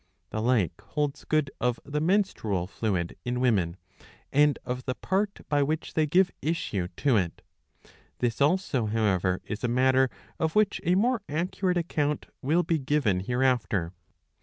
The like holds good of the menstrual fluid in women, and of the part by which they give issue to it. This also, however, is a matter of which a more accurate account will be given hereafter.